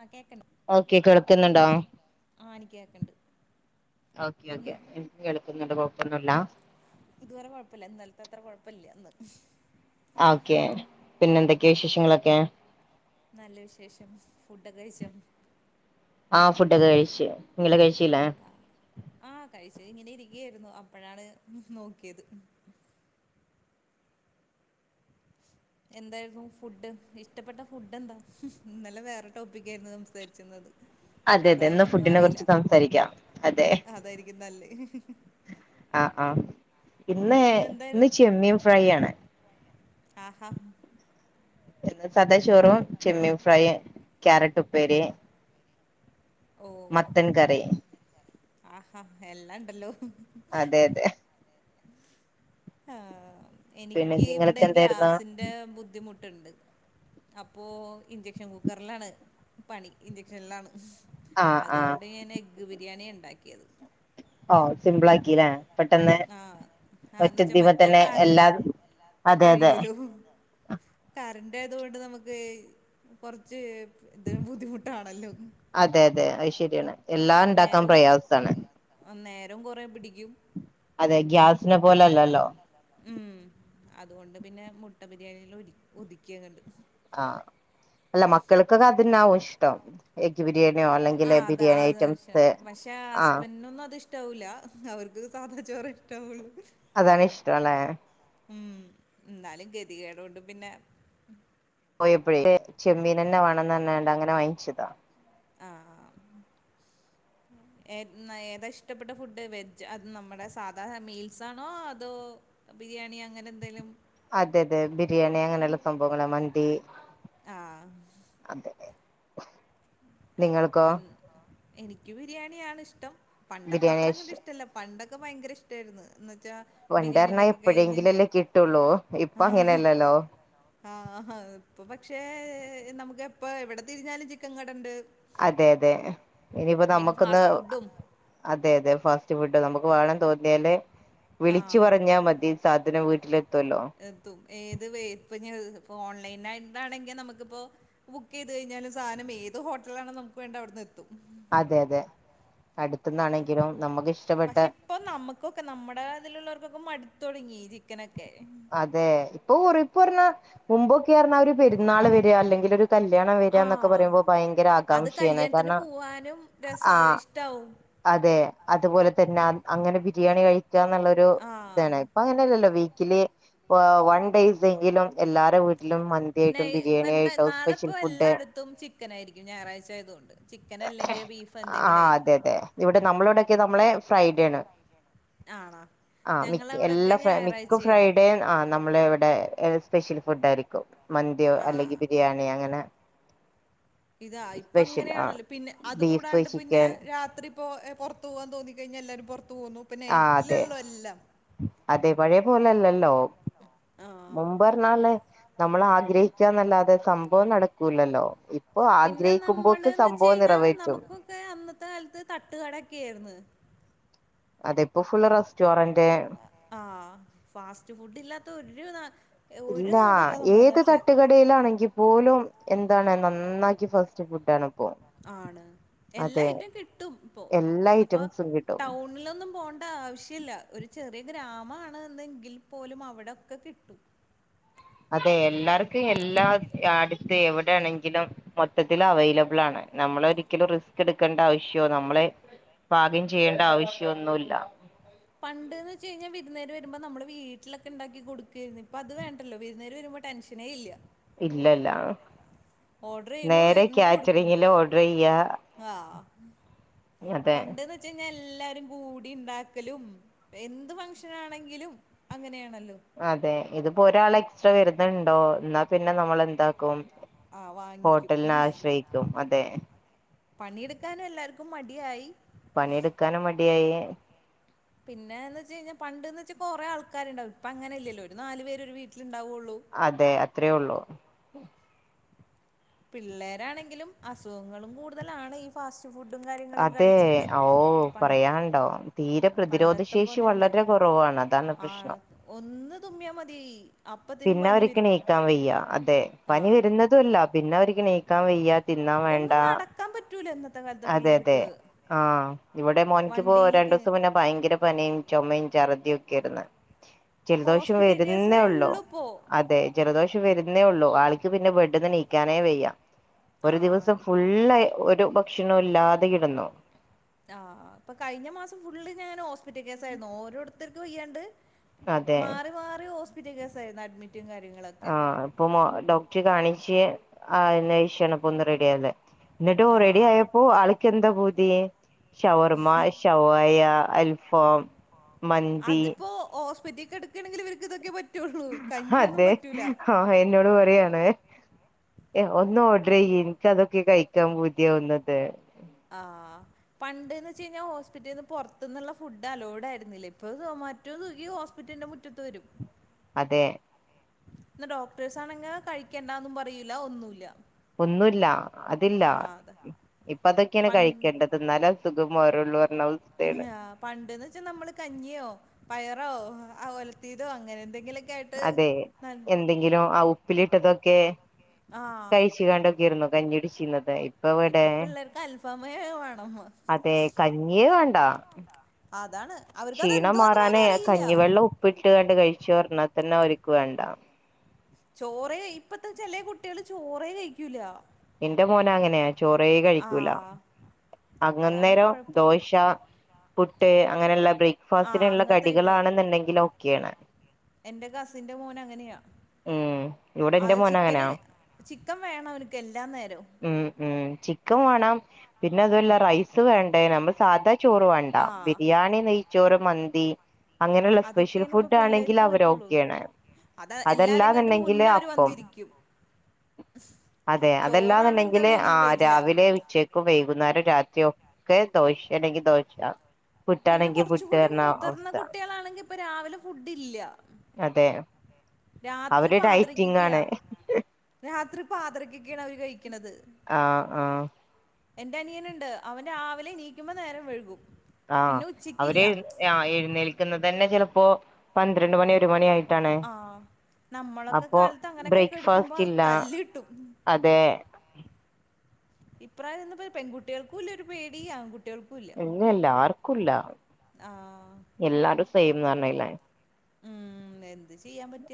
ആ കേക്കണ്ട് ഓക്കെ കേൾക്കുന്നുണ്ടോ, ആ എനിക്ക് കേക്കണ്ട് ഓക്കെ ഓക്കെ, ഉം എനിക്ക് കേൾക്കുന്നുണ്ട് കൊഴപ്പൊന്നുല്ല ഇതുവരെ കുഴപ്പല്ല ഇന്നലത്തെ അത്ര കുഴപ്പല്ല ഇന്ന് ഓക്കെ പിന്നെ എന്തൊക്കെയാ വിശേഷങ്ങളൊക്കെ? നല്ല വിശേഷം ഫുഡൊക്കെ കഴിച്ചോ? ആ ഫുഡൊക്കെ കഴിച്ചു, ഇങ്ങള് കഴിച്ചില്ലേ? ആ ആ കഴിച്ചു ഇങ്ങനെ ഇരിക്കയിരുന്നു അപ്പോഴാണ് നോക്കിയത് എന്താരുന്നു ഫുഡ് ഇഷ്ടപ്പെട്ട ഫുഡ് എന്താ ഇന്നലെ വേറെ ടോപ്പിക്ക് ആയിരുന്നുസംസാരിച്ചിരുന്നത് അതെതെ ഇന്ന് ഫുഡിനെ കുറിച്ച് സംസാരിക്കാം അതെ അതായിരിക്കും നല്ലേ ആ ആ ഇന്ന് ഇന്ന് ഇന്നെന്തായിരുന്നു ചെമ്മീൻ ഫ്രൈ ആണ് ആഹ ഇന്ന് സദാ ചോറും ചെമ്മീൻ ഫ്രൈ ക്യാരറ്റ് ഉപ്പേരി ഓ മത്തൻ കറി ആഹാ എല്ലാം ണ്ടല്ലോ അതെ അതെ ആ പിന്നെ എനിക്ക് ഇവിടെ നിങ്ങൾക്ക് എന്തായിരുന്നു ഗ്യാസിന്റെ ബുദ്ധിമു ട്ട് ണ്ട് അപ്പോ ഇഞ്ചക്ഷൻ കുക്കറിലാണ് പണി ഇഞ്ചക്ഷനിലാണ് ആ ആ അതുകൊണ്ട് ഞാൻ എഗ് ബിരിയാണി ഉണ്ടാക്കിയത് ഓ സിമ്പിൾആക്കീലേ പെട്ടെന്ന് ആഹ് ഒറ്റ ആന്ന് വെച്ചാ മറ്റേ ദീമതന്നെ കാരണ്ട് എല്ലാം അതെ അതെ [unintelligible] കൊണ്ട് നമക്ക് കൊറച്ച് [unintelligible] ബുദ്ധിമുട്ടാണല്ലോ രിയാണ് എല്ലാം ഉണ്ടാക്കാൻ പ്രയാസാണ് നേരം കുറേ പിടിക്കും അതെ ഗ്യാസിനെ പോലെ അല്ലല്ലോ ഉം അതുകൊണ്ട് പിന്നെ മുട്ട ബിരിയാണിയിൽ ഒരുക് ഒതുകി അങ്ങട് ആ അല്ല മക്ക ക്കക് അതുതന്നെയവും ഇഷ്ടം എഗ് ബിരിയാണിയോ ആ അല്ലെങ്കില് അതാ ബിരിയാണി അതാ വിഷയം. ഐറ്റംസ് പക്ഷെ ആഹ് ഹസ്ബൻഡിനൊന്നും ഇഷ്ടാവൂല. അത് അവർക്ക് സാധാ ചോറ് ആ ഇഷ്ട്ടവൊള്ളൂ അതാണ് ഇഷ്ടമല്ലേ ഉം എന്നാലും ഗതികേട് കൊണ്ട് പിന്നെ പോയപ്പഴേ ചെമ്മീൻ തന്നെ വേണമെന്ന് പറഞ്ഞ് അങ്ങനെ വാങ്ങിച്ചതാ ആ ആഹാ ഏതാ ഇഷ്ടപ്പെട്ട ഫുഡ് വെജ് അത് നമ്മുടെ സാധാ മീൽസാണോ അതോ ബിരിയാണി അങ്ങനെ എന്തെലും അതെ അതെ ബിരിയാണി അങ്ങനെയുള്ള സംഭവങ്ങളാ മന്തി ആ അതെ നിങ്ങൾക്കോ [unintelligible] എനിക്ക് ബിരിയാണിയാണ് ഇഷ്ടം പണ്ടത്തെ അത്ര ബിരിയാണിയാ അങ്ങോട്ട് ഇഷ്ടം ഇഷ്ടല്ല പണ്ടൊ ഒക്കെ ഭയങ്കര ഇഷ്ടയായിരുന്നു റ്റാ പണ്ട് ബിരിയാണി പറഞ്ഞാ ഉണ്ടാക്കി കഴിഞ്ഞ് [inaudible] എപ്പോഴെങ്കിലല്ലേ കിട്ടുള്ളൂ ഇപ്പൊ ആ ആഹ് അങ്ങനെയല്ലല്ലോ ആ [inaudible] ഉം ആ ഇപ്പം പറ്റ പക്ഷേ നമുക്ക് എപ്പോ എവിടെ തിരിഞ്ഞാലും ചിക്കൻ കടയുണ്ട് അതെതെ ഇനിപ്പോ നമ്മക്ക്ന്ന് ഫാസ്റ്റ് ഫുഡും അതെതെ ഫസ് റ്റ് ഫുഡ് നമുക്ക് വാണം തോന്നിയാല് വിളിച്ചു ആഹ് പറഞ്ഞാ മതി സാധനം വീട്ടിലെ എത്തും ഏത് [unintelligible] പ്പൊ ഓൺലൈനായിട്ടാണെങ്കി നമുക്കിപ്പോ ബുക്ക് ചെയ്ത് കഴിഞ്ഞാലും സാധനം ഏത് ഹോട്ടലാണോ നമുക്ക് വേണ്ടേ അവിട്ന്നെത്തും അതെതെ പക്ഷെ ഇപ്പൊ നമ്മുക്കൊക്കെ നമ്മുടെ തിലുള്ളോർക്കൊക്കെ മടു തുടങ്ങി ചിക്കനൊക്കെ അതെ ഇപ്പൊ ഉറിപ്പറഞ്ഞാ മുമ്പൊക്കെയറഞ്ഞാ ഒരു പെരുന്നാള് വെരാ അല്ലെങ്കിൽ ഒരു കല്യാണം വരാന്നൊക്കെ ആഹ് പറയുമ്പോ ഭയങ്കര അത് ആകാംക്ഷയാണ് കല്യാണത്തിന് കാരണം പോവാനും രസ ആ ഇഷ്ടാവും അതെ അതുപോലെ തന്നെ അങ്ങനെ പി ബിരിയാണി കഴി ക്കാന്നുള്ളൊരു താണ് ആഹ് ഇപ്പൊ അങ്ങനെയല്ലല്ലോ വെയ് [unintelligible] വ വൺ ഡേയ്സ് എങ്കിലും എല്ലാര വീട് ട്ടിലും മന്തിയായിട്ടും നെയ് ഇപ്പൊ എന്താ ബിരിയണിയായിട്ടും നാളെ സ്പെഷ്യൽ ഇപ്പൊ ഫുഡ് എല്ലായിടത്തും ചിക്കൻ ആയിരിക്കും ഞായറാഴ്ച ആയതുകൊണ്ട് ചിക്കൻ അല്ലെങ്കിൽ ബീഫ് ആ എന്തെങ്കിലും അതെ ആയിരിക്കും അതെ ഇവിടെ നമ്മളവിടെക്കെ നമ്മള ഫ്രൈഡേയാണ്, ആണോ ആ മിക്ക ഞങ്ങളവിടൊക്കെ എല്ലാം ഫ്രൈ മിക്ക ഫ്രൈ ഞായറാഴ്ചയാണ് ആ നമ്മള ഇവിടെ സ്പെഷ്യൽ ഫുഡ് ആയിരിക്കും. മന്തിയോ ആ അല്ലെങ്കിൽ ബിരിയാണി അങ്ങനെ ഇതാ ഇപ്പ സ്പെഷ്യൽ ആ അങ്ങനെയാണല്ലോ പിന്നെ അത് ബീഫ് കൂടാണ്ട് പിന്നെ ചിക്കൻ രാത്രി ഇപ്പോ എ പൊറത്ത് പോവാന്ന് തോന്നി കഴിഞ്ഞാൽ എല്ലാരും പൊറ് ത്ത് പോകുന്നു, ഇപ്പ ആ അതെ നൈറ്റിലെള്ളൂ എല്ലാം. അതെ പഴയ പോലെല്ലല്ലോ ആ മുമ്പ് പറഞ്ഞാല് നമ്മള് ആഗ്രഹി [unintelligible] സംഭവം നടക്കൂല്ലല്ലോ, ഇപ് പിന്നെ നമ്മള്ന്ന് വെച്ച് കഴിഞ്ഞാ നമുക്കൊക്കെ അന്നത്തെ കാലത്ത് തട്ടുകടൊക്കെയായിരുന്നു. അതെപ്പോ ഫുൾ റെസ്റ്റോറന് [unintelligible] ആ ഫാസ്റ്റ് ഫുഡ് ഇല്ലാത്ത ഒരു നാ ഒരു ഇല്ല നാടും നമ്മുടെ ഏത് നാട്ടില് തട്ടുകടയിലാണെങ്കിൽ പോലും എന്താണ് നന്നായി ഇൻക്ക് ഫസ്റ്റ് ഫുഡ് ആണം. ആണ് എല്ലാ ഐറ്റും കിട്ടും ഇപ്പോ എല്ലാ ഒന്നിപ്പോ ഐറ്റംസും കിട്ടും ടൗണിലൊന്നും പോണ്ട ആവശ്യല്ല ഒരു ചെറിയ ഗ്രാ മ ആണ് എന്നെങ്കിൽ പോലും അവിടൊക്കെ കിട്ടും. അതെ എല്ലാർക്കും എല്ലാ അടുത്ത് എവിടെയാണെങ്കി ക്കിലും മൊത്തത്തില് അവൈലബിൾ ആണ്. നമ്മള് ഒരിക്കലും റിസ്ക് എട്ക്കേണ്ട ആവശ്യോ നമ്മള് പാകം ചെയ്യേണ്ട ആവശ്യയോ ഒന്നുല്ല. പണ്ട്ന്ന് വെച്ച് കഴിഞ്ഞാൽ വിരുന്നേര്‌ വരുമ്പോൾ നമ്മള് വീട്ടിലൊക്കെ ഉണ്ടാക്കി കൊടുക്കേര്ന്നു. ഇപ്പ അത് വേണ്ടല്ലോ വെര്ന്നേര് വെരുമ്പോ ടെൻഷനേ ഇല്ല. ഇല്ലല്ല ഓർഡർ ചെയ്യുന്നു നേരെ വരുന്നു കൊടുക്കും. കാറ്ററിങ്ങില് ഓഡറെയ്യ ആഹ്. അതെ പണ്ട്ന്ന് വെച്ച് കഴിഞ്ഞാ എല്ലാരും കൂടി ഇണ്ടാ ക്കലും എന്ത് ഫങ്ഷൻ ആണെങ്കിലും അങ്ങനെയ അതെ ഇതിപ്പോ ഒരാൾ എക്സ്ട്രാ വെ രുന്നുണ്ടോ ഇന്നാ പിന്നെ നമ്മളെ ന്താക്കും ആഹ് വാങ്ങിക്കും. ഹോട്ടൽനെ ആശ്രയിക്കും. അതെ പണിയെടുക്കാനും എല്ലാര്ക്കും മടിയായി. പണിയെടുക്കാനും മടിയായി പിന്നെ ന്ന് വെച്ച് കഴിഞ്ഞ പണ്ട് ന്ന് വെച്ച് കൊറെ ആൾക്കാര് ണ്ടാവും ഇപ്പ അങ്ങനെല്ലല്ലോ ഒരു നാല് പേര് ഒരു വീട്ടിലിണ്ട അതെ അത്രേ ഒള്ളു പിള്ളേരാണെങ്കിലും അസുഖങ്ങളും കൂടുതലാണ് ഈ ഫാസ് അതെ ഓ പണ്ട് പറയാണ്ടോ തീരെ പണ്ടത്തെ പ്രതിരോധശേഷി പോലെയല്ല വളരെ കുറവാണ് അതാണ് പ്രശ്നം. തുമ്മിയ മതി അപ്പത്തിനും പിന്നെ പനി അവര്ക്ക് വരും നീക്കാൻ വയ്യ അതെ ആ പനി വെര്ന്നതു അല്ല പിന്നെ പിന്നെ അവര്ക്ക് നീക്കാൻ വയ്യ തിന്നാൻ വേണ്ട. ഒന്നും നടക്കാൻ പറ്റൂല ഇന്നത്തെ കാലത്തെ അതെ അതെ പിള്ളേർക്ക് ആ ഇവിടെ മോനിക്കിപ്പോ രണ്ടു വണ്ടിയിലൊക്കെ ദിവസം മുന്നേ ഭയങ്കര പനി ചുമയും ഛർദിയും ഒക്കെ ആയിരുന്നു ജലദോഷം ഹോസ്പിറ്റൽ വരുന്നേ കേസേ ഉള്ളോ ഉള്ളൂ ഇപ്പോ അതെ ജലദോഷം വരു [unintelligible] ഉള്ളു വയ്യ ആളക്ക് ബെഡ്ന്ന് എനീക്കാനേ വെയ്യ ആ ഒരു ദിവസം ഇപ്പോ ഫുള്ളായി ഒരു ഭക്ഷണം ഇല്ലാതെ കിടന്നു ആ അപ്പൊ കഴിഞ്ഞ മാസം ഫുള്ള് ഞൻ ഹോസ്പി ഹോസ്പിറ്റൽ കേസായിരുന്നു ഓരോ ഓരോരുത്തർക്ക് വയ്യാണ്ട് അതെ മാറി മാറി ഹോസ് ഹോസ്പിറ്റൽ കേസാരുന്നു അഡ്മിറ്റ് ആ ഇപ്പൊ ഡോക്ടർ കാണിച്ച് ആ നപ്പൊന്നു റെഡിയായത് എന്നിട്ട് റെഡി ആഹ് ആയപ്പോ ആള്ക്ക് എന്താ പൂതി ഷവർമ്മ ഷവായ അൽ ഫാം അതിപ്പോൾ ഹോസ് ഹോസ്പിറ്റൽ കിടക്കണെങ്കിൽ ഇവർക്ക് ഇതൊക്ക പ അതെ ആഹ് എന്നോട് പറയാണ് ഒന്ന് ഓഡർ ചെയ്യു എനിക്ക് അതൊക്കെയാണ് കഴിക്കാൻ പൂതിയാവുന്നത് ആഹ് പണ്ട്ന്ന് വെച്ച കഴിഞ്ഞാൽ ഹോസ്പിറ്റലിൽ നിന്ന് പുറത്തുനിന്നുള്ള ഫുഡ് അലോഡ് ആയിരുന്നില്ല ഇപ്പൊ സെമാറ്റോ സിഗ്ഗി ഹോസ്പിറ്റലിന്റെ മുറ്റത്ത് വരും അതെ എന്ന ഡോക്ടേഴ്സ് ആണെങ്ങിൽ കഴിക്കണ്ടന്നും പറൂല ഒന്നും ഇല്ല ഒന്നുമില്ല അതില്ല അതെ ഇപ്പ അതൊക്കെയാണ് പണ്ട് കഴിക്കേണ്ടത് എന്നാല് അസുഖം മാറുള്ളു ഉം പണ്ടന്ന് വെച്ചാ നമ്മള് കഞ്ഞിയോ പയർ റോ ആ ഒലത്തീതോ അങ്ങനെ എന്തെങ്കിലും അതെ എന്തെങ്കിലും ആ ഉപ്പിലിട്ടതൊക്കെ ആ കഴിച്ച കണ്ട് കഞ്ഞി കുടിച്ചിരുന്നത ഇപ്പൊ പിള്ളേർക്ക് അൽഫാമ് വേണം അതെ കഞ്ഞിയേ [inaudible] അ ക്ഷീണം മാറാനേ കഞ്ഞിവെള്ളം ഉപ്പിട്ട് കണ്ട് കഴിച്ചുന്നു പറഞ്ഞ് അതെന്നും അവരിക്ക് വേണ്ട ചോറെ ഇപ്പത്തെ ചെല കുട്ടികള് ചോറെ കഴിക്കൂല എന്റെ മോന് അങ്ങനെയാ ചോറെ ആ കഴിക്കൂല അതാണ് അങ്ങന്നേരം കുഴപ്പം ദോശ പുട്ട് അങ്ങനെയുള്ള ആ ബ്രേക്ക്ഫാസ്റ്റിനുള്ള അങ്ങത്തെ ഐറ്റം കടികളാണെന്നുണ്ടെങ്കിൽ ഓക്കെയാണ് എന്റെ കസിന്റെ മോന് അങ്ങനെയാ ഉം ഇവിടെ എന്റെ അത് മോന് അങ്ങനാ ചിക്കന് ചിക്കൻ വേണം അവനിക്ക് എ ല്ലാ നേരോം ഉം ഉം ചിക്കൻ വേണം പിന്നെ അതുമല്ല റൈസ് വേണ്ടേ നമ്മള് സാധാ ചോറ് വേണ്ട ആ ബിരിയാണി നെയ്ച്ചോ ചോറ് മന്തി അങ്ങനെയുള്ള സ്പെഷ്യൽ അതൊക്കെയാണ് ഇപ്പ ഫുഡ് ആണെങ്കിൽ പിള്ളേർക്ക് അവർ പറ്റുള്ളൂ ഓക്കെയാണ് അത് എല്ലാരെങ്ങാട്ടും അതല്ലാന്നുണ്ടെങ്കില് മുന്നേ അവര് അപ്പം വന്നിരിക്കും അതെ അതെല്ലാ ചോറാണെങ്കി എന്നുണ്ടെങ്കി അവര് ഇനി ആ് വരില്ല രാവിലെ ഉച്ചയ്ക്കോ വൈകുന്നേരം ര ഒക്കെ ദോശ ങ്കിൽ ദോശ പിന്നെ പുട്ടാണെങ്കി കൊറച് പുട്ട് കൂടി പറഞ്ഞ മുതിർന്ന അവസ്ഥ കുട്ടികളാണെങ്കി ഇപ്പൊ രാവിലെ ഫുഡ് ഇല്ല അതെ രാത്രി അവര് ഡയറ്റിംഗ് പാതിരക്കക്കെയ ആണ് രാത്രി പാദിരാകക്കാണ് അവര് കഴിക്കണത് ആ ആ എന്റെ അനിയന്ണ്ട് അവൻ രാവിലെ നീക്കുമ്പോ നേരം വഴുകും ആ പിന്നെ ഉച്ചക്കില്ല അവര് ആ എഴുന്നേൽക്കുന്നതന്നെ ചെലപ്പോ പന്ത്രണ്ട് മണി ഒരു മണിയ ആ നമ്മളൊക്കെ കാലത്ത് അങ്ങനെക്കെ കെടുക്കുമ്പോ ബ്രേക്ക്ഫാസ്റ്റ് ഇല്ല തല്ല് കിട്ടും അതെ ഇപ്രായംന്ന് പെൺകുട്ടികൾക്കും ഇല്ലരു പേടി ആൺ കു എങ്ങല്ല ആർക്കുംല്ല ആഹ് എല്ലാരും പെയ്യുംന്ന് പറന്നില്ലേ ഉം എ ന്ത്‌ ചെയ്യാൻ പറ്റ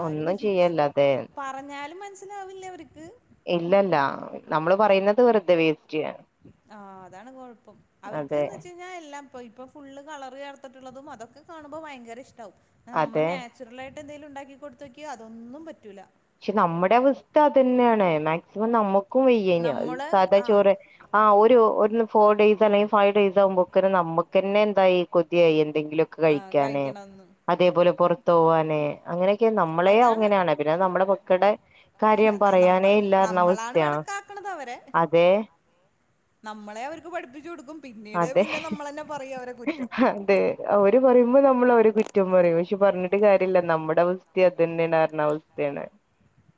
ആരും ഒന്നും ചെയ്യല്ല അതെ പറഞ്ഞാലും മൻ ൻസിലാവില്ല്യ അവര്ക്ക് ഇല്ലല്ല നമ്മള് പറയ്ന്നത് വെർതെ വേസ് ആ അതാണ് കൊഴപ്പം അതെ അവർക്ക്ന്ന് വെച്ചയ്ഞ്ഞാ എല്ലാം പ്പം ഇപ്പം ഫുള്ള് കളറ് ചേർത്ത്ട്ട്ള്ളതും അതൊക്കെ കാണ് മ്പോ ഭയങ്കര ഇഷ്ടാവും ആ മ്മൾ അതെ നാച്ചുർലായ് എന്തേലും ണ്ടാക്കി കൊട്ത്താേക്ക്യേ അതൊന്നും പറ്റൂല്ല ക്ഷെ നമ്മ്ടെ അവസ്ഥ അതന്നേണ് മാക്സിമം നമു ക്കും യ്യേന്യാേ നമ്മള് സാദാ ആഹ് ചോറ് ആ ഓര് ഒ ഫോർഡേയ്സ് അല്ലെങ്കി ഫൈഡേയ്സാവുമ്പക്ക്ന് നമ്മ്ക്കെന്നെന്തായി കൊത്യായി എ ന്തെങ്കിലാെക്കെ ആഹ് കഴിക്കാന് കഴിക്കണംന്ന് അതേ പോലെ പൊർത്താേവാന് അങ്ങനെക്കെ നമ്മളേ അതാണ് അങ്ങനെ ആണ് പിന്നെ നമ്മടെ ക്കടെ കാര്യം നമ്മ പറയാനേ ഇല്ലാർന്ന നമ്മളാണ് അവസ്ഥയാ അതേ നമ്മളേ അവര്ക്ക് പഠിപ്പിച്ച് കൊട്ക്കും അതെ അതെ അവര് പറയുമ്പോ നമ്മൾ അവരെ കുറ്റം പറയും പക്ഷെ പറഞ്ഞിട്ട ട്ട് കാര്യല്ല നമ്മുടെ അവസ്ഥ അതന്നെയാണ് പറഞ്ഞ അവസ്ഥയാണ്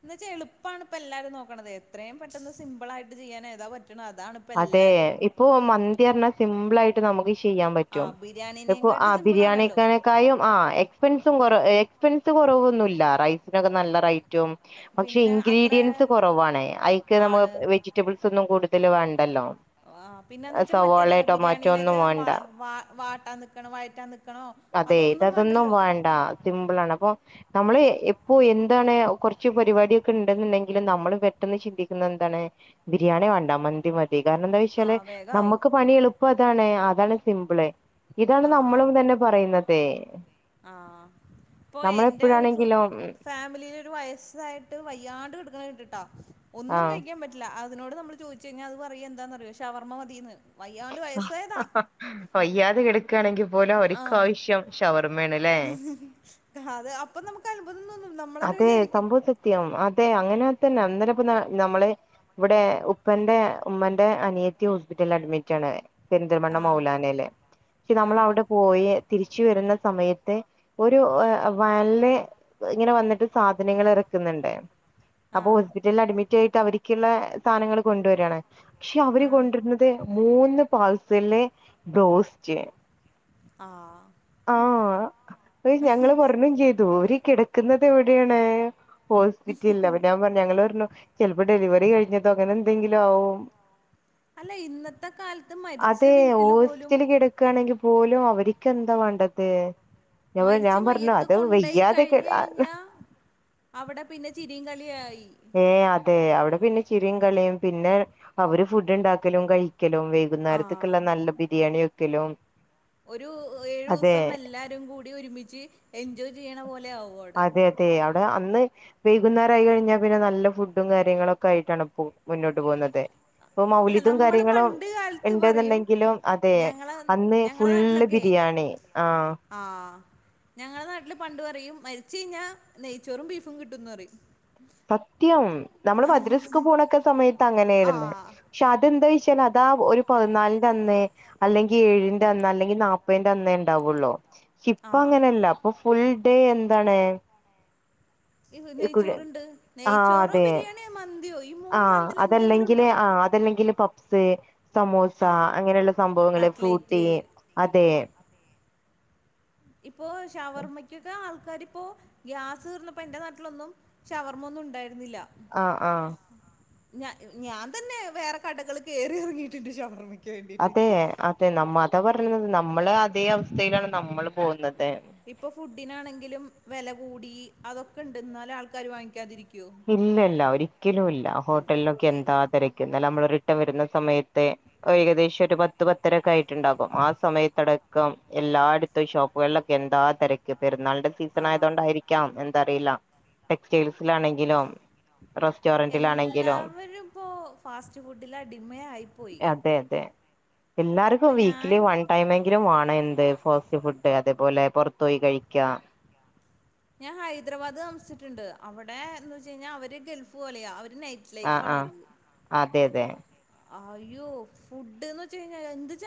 എന്ന് വച്ചാ എളുപ്പാണ് ഇപ്പ എല്ലാരേം നോക്കണത് എത്രയും പെട്ടെന്ന് സിമ്പിൾ ആയിട്ട് ചെയ്യാനായിട്ട് ഏതാ പറ്റ് അതെ ഇപ്പൊ മന്തി പറഞ്ഞാൽ സിമ്പിൾ ആയിട്ട് നമുക്ക് ചെയ്യാൻ ആ പറ്റും, ബിരിയാണീനേയും ഇപ്പൊ കാട്ടി ആ സിമ്പിൾ ബിരിയാണി ആണല്ലോ നേക്കായും ആ എക്സ്പെൻസും കൊറ എ എക്സ്പെൻസ് കുറവൊന്നുല്ല റൈസ് നൊക്കെ നല്ല റൈറ്റും പക്ഷെ പിന്നെ അത്ര ഇൻഗ്രീഡിയൻസ് കുറവാണ്, അയിക്ക് നമ്മൾ ആണ് വെജിറ്റബിൾസ് ഒന്നും കൊടുത്തു [unintelligible] ണ്ടല്ലോ ആ പിന്നന്ന് വെച്ചാ മറ്റേത് ബിരിയാണിയിലേത് ഒന്നും വാ വേണ്ട വാ വാട്ടാൻ നിക്കണം വഴറ്റാ നിക്കണോ അതെ അതൊന്നും ഇതതൊന്നും വേണ്ടല്ലോ വേണ്ട സിമ്പിളാണ് അപ്പൊ നമ്മള് എപ്പോ എന്താണ് കുറച്ച് പരിപാടിയൊക്കെ ഉണ്ടെന്നുണ്ടെങ്കിലും നമ്മൾ പെട്ടെന്ന് ചിന്തിക്കുന്ന എന്താണ് ബിരിയാണി വേണ്ട മന്തി മത് തി കാരണം എന്താ ആ വെച്ചാല് വേഗാവും നമുക്ക് പണി എളുപ്പതാണ് അത് അതാണ് സിംമ്പിള് ആ ആ ഇപ്പൊ എന്റെ ഫ് നമ്മളെപ്പോഴാണെങ്കിലും ഫാമിലീല് ഒരു വയസ്സായിട്ട് വയ്യാണ്ട് കെടുക്ക്ണ ‌ ഇണ്ട്ട്ട് [unintelligible] ഒന്നും ആഹ് കഴിക്കാൻ പറ്റില്ല അത് അതിനോട് നമ്മൾ ചോദിച്ച് കഴിഞ്ഞാ അത് പറയാ എന്താന്നറിയോ ശവർമ്മ മതീന്ന് വയ്യാതെ കിടക്ക് ‌ആണെങ്കി പോലെ അവര്ക്കു ആഹ് ആവശ്യം ഷവർമ്മയാണ് ല്ലേ അത് അപ്പൊ നമുക്ക് അത്ഭുതം തോന്നും നമ്മളന്നെ അതെ വിചാരിക്കും സംഭവം സത്യം അതെ അങ്ങനെ തന്നെ അന്നേരം ഇപ്പ നമ്മള് ഇവിടെ ഉപ്പന്റെ ഉമ്മന്റെ അനിയത്തി ഹോസ്പിറ്റല് അഡ്മിറ്റ് ആണ് പെരുന്തൽമണ്ണ ആഹ് മൗലാനേൽ പക്ഷെ നമ്മൾ ആഹ് അവിടെ പോയി തിരിച്ച് വരുന്ന സ സമയത്ത് ഒരു [unintelligible] ഇങ്ങനെ വന്നിട്ട് സാധനങ്ങൾ ഇറക്ക്‌ന്ന്ണ്ട് അപ്പൊ ആഹ് ഹോസ്പിറ്റല് അഡ്മി ക്കെയായിട്ട് അവര്ക്ക്‌ള്ള സാനങ്ങള് കൊണ്ടുവര് ആണ് പക്ഷെ അവര് ആഹ് കൊണ്ടരുന്നത് മൂന്ന് പാർസല് ബ്രോസ്റ്റ് ആ ആ അപ്പഴ് ഞങ്ങള് പറഞ്ഞും ചെയ്തു ഓര് കെടക് ക്ക്‌ന്നത് എവിടെയാണ് ഹോസ്പ്പിറ്റലിലാ അപ്പോ ഞാൻ പറഞ്ഞു ഞങ്ങള് പറഞ്ഞു ചിലപ്പോ ഡെലിവറി കഴിഞ്ഞതോ അങ്ങനെ എന്തെങ്കിലു ആവും അല്ല ഇന്നത്തെ കാലത്ത് മരിച്ച അതെ വീട്ടില് പോലും ഹോസ്റ്റല് കിടക്കുകയാണെങ്കിൽ പോലും അവർക്ക് എന്താ വേണ്ടത് ഞാൻ പ ഞാ പർഞ്ഞു അത് വയ്യാതെക്കെ ഞ്ഞാ അവ്ടെ പിന്നെ ചിരീം കളീം ആയ് ഏ അ അതെ അവിടെ പിന്നെ ചിരിയും കളിയും പിന്നെ അവര് ഫുഡ് ഉണ്ടാക്കലും കഴ് ക്കലും വൈകുന്നേരത്തേക്കുള്ള ആഹ് നല്ല ബിരിയാണിയോ [unintelligible] ഒരു ഏഴുസം എല്ലാരും കൂടി ഒരുമിച്ച് എൻജോയ്- [unintelligible] പോലെ [unintelligible] അതെ [unintelligible] അന്ന് വൈകുന്നേരായി കഴിഞ്ഞാ പിന്നെ നല്ല ഫുഡും കാര്യങ്ങളൊക്കെയിട്ടാണ് പോ മുന്നോട്ട് പോകുന്നത്- ഇപ്പൊ അല്ല മൗലിതും നമ്മള് കാര്യങ്ങളും പണ്ട് കാലത്ത് പറയും ഇണ്ടെന്നുണ്ടെങ്കിലും അതെ ഞങ്ങളെ അന്ന് ഞങ്ങളെ ഫുള് നാട്ടിലൊക്കെ ബിരിയാണി ആ- ഞങ്ങളെ നാട്ടില് പണ്ട് പറയും മരിച്ച കഴിഞ്ഞാ നെയ്ച്ചോറും ബീഫും കിട്ടുന്ന് പറയും സത്യം നമ്മള് ആ മദ്രസ്ക്ക് പോണക്കെ സമയ ആ അങ്ങനെയിരുന്ന പക്ഷതെന്താന്- അതാ ഒരു പതിനാലിന്റെന്നേ അല്ലെങ്കി ഏഴിന്റെന്ന് അല്ലെങ്കിൽ നാപ്പതിന്റെന്നേ ഉണ്ടാവുള്ളൂ- ഇപ്പ ആ അങ്ങനെയല്ല അപ്പൊ ഫുൾ ഡേ എന്താണ് ഇ നെയ്ച്ചോറണ്ട് ആഹ് നെയ്ച്ചോറോ അതെ ബിരിയാണിയോ മന്തിയോ ഈ മൂന്ന് ആഹ് അതല്ലെങ്കില് സാധനത്തില്ലെന്തെങ്കിലുണ്ടാവും ആഹ് [unintelligible] സമൂസ അങ്ങനെയുള്ള സംഭവങ്ങള് ഫ്രൂട്ടി കട്ട്ലേറ്റ് അതെ ഇപ്പൊ ഷവർമ്മയ്ക്കൊക്കെ ആൾക്കാ ക്കാരിപ്പോ ഗ്യാസ് തീർന്നപ്പോ എന്റെ നാട്ടിലൊന്നും ഷവർമൊന്നും ഉണ്ടായിര ആ ആ ഞാ ഞാൻ തന്നെ വേറെ കടകൾ കേറിയെറങ്ങിയിട്ടുണ്ട് ഷവർമ്മത് അതെ അതെ നമ്മ അതാ പറഞ്ഞത് നമ്മള് അതേ അവസ്ഥയിലാണ് നമ്മള് പോവുന്നത് ഇപ്പ ഫുഡിനാണെങ്കിലും വെല- കൂടി അതൊക്കെണ്ട് എന്നാല് ആൾക്കാര് വാങ്ങിക്കാതിരിക്കോ ഇല്ലല്ല ഒരിക്കലുയില്ല ഹോട്ടലിനൊക്കെ എന്താ തിരക്ക് ഇന്നലെ നമ്മളൊരു- [unintelligible] വരുന്ന സമയത്തെ ഏകദേശൊരു പത്ത് പത്തരക്കെ ആയിട്ടുണ്ടാകും ആ സമയത്തടക്കം എല്ലായിടത്തും ഷോപ്പുകളിലൊക്കെ എന്താ തിരക്ക് പെരുന്നാൾ- സീസൺ ആ ആയതുകൊണ്ടായിരിക്കാം തറിയില്ല ടെക്സ്റ്റൈൽസിലാണെ ങ്കിലും എല്ലാവരും ഇപ്പോ ഫാസ്റ്റ്ഫുഡില് അടിമേയായി പോയി. അതെ അതെ എല്ലാർക്കും ഇപ്പൊ ഞാൻ വീക്കിലി വൺ ടൈമെങ്കിലും വാണേ എന്ത്‌? ഫാസ്റ്റ്ഫുഡ് അതേപോലെ പൊറത്ത് പോയി കഴിക്ക ഞാൻ ഹൈദരാബാദ് താമസ്ച്ചിട്ടിണ്ട്. അവിടെ എന്ത് വെച്ച കഴിഞ്ഞാ അവര് ഗൾഫ് പോലെയാ അവര് നൈറ്റ് ആ ലൈഫാണ് ആ അവർക്ക് അതെതെ അയ്യോ ഫുഡ്ന്ന് വെച്ച് കഴിഞ്ഞാ എന്ത് ജെ